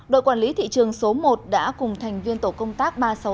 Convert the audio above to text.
đội quản lý thị trường số một đã cùng thành viên tổ công tác ba trăm sáu mươi tám